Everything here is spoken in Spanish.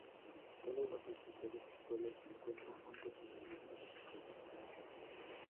Todos los hospitales actuales se encuentran juntos en la misma calle.